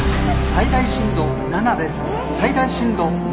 最大震度７です」。